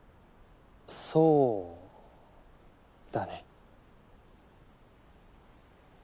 そうだね。